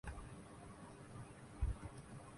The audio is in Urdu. پاکستان اور زمبابوے میں چوتھا ایک روزہ میچ اج کھیلا جائے گا